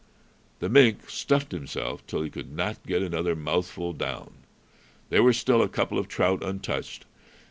The mink stuffed himself till he could not get another mouthful down. There were still a couple of trout untouched.